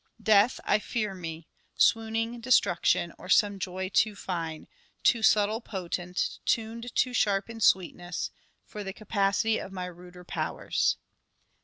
death, I fear me Swooning destruction, or some joy too fine, Too subtle potent, tuned too sharp in sweetness, For the capacity of my ruder powers."